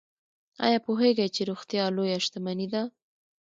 ایا پوهیږئ چې روغتیا لویه شتمني ده؟